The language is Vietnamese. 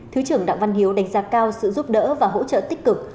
thứ trưởng đặng văn hiếu đánh giá cao sự giúp đỡ và hỗ trợ tích cực